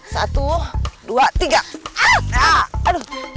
satu dua tiga